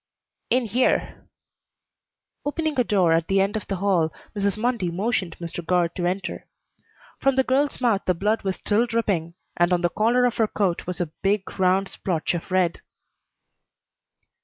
"In here." Opening a door at the end of the hall, Mrs. Mundy motioned Mr. Guard to enter. From the girl's mouth the blood was still dripping, and on the collar of her coat was a big round splotch of red.